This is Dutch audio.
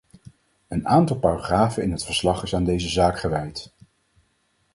Een aantal paragrafen in het verslag is aan deze zaak gewijd.